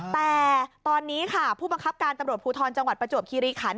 แต่ตอนนี้ค่ะผู้บังคับการตำรวจภูทรจังหวัดประจวบคิริขัน